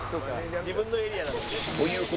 「自分のエリアだからね」